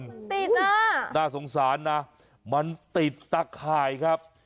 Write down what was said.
ติดอ่ะน่าสงสารนะมันติดตะข่ายครับ